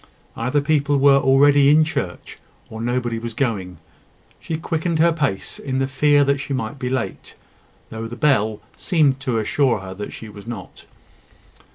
Either people were already all in church, or nobody was going. She quickened her pace in the fear that she might be late, though the bell seemed to assure her that she was not.